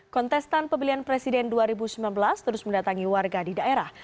kontestan pemilihan presiden dua ribu sembilan belas terus mendatangi warga di daerah